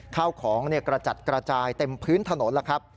ข้าวของกระจัดกระจายเต็มพื้นถนน